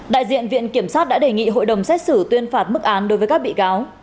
đại diện viện kiểm sát đã đề nghị hội đồng xét xử tuyên phạt mức án đối với các bị cáo